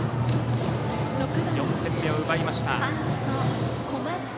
４点目を奪いました。